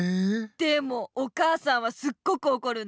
でもお母さんはすっごくおこるんだ。